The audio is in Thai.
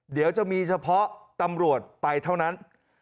เดี๋ยวจะมีเฉพาะตำรวจไปเท่านั้น